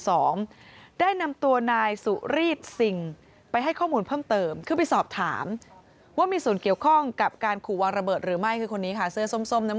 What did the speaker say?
ได้นำตัวนายสุรีสซิงไปให้ข้อมูลเพิ่มเติมคือไปสอบถามว่ามีส่วนเกี่ยวข้องกับการขู่วางระเบิดหรือไม่คือคนนี้ค่ะเสื้อส้มส้มน้ำ